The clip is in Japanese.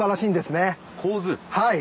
はい。